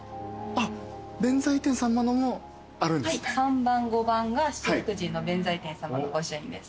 ３番・５番が七福神の弁財天様の御朱印です。